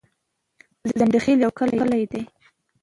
ځنډيخيل يو کلي ده